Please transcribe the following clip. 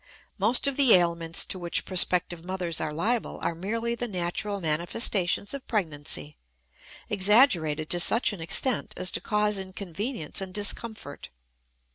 Most of the ailments to which prospective mothers are liable are merely the natural manifestations of pregnancy, exaggerated to such an extent as to cause inconvenience and discomfort.